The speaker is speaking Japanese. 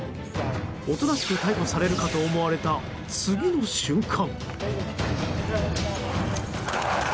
おとなしく逮捕されるかと思われた、次の瞬間。